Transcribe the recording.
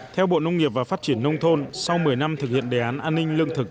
theo bộ nông nghiệp và phát triển nông thôn sau một mươi năm thực hiện đề án an ninh lương thực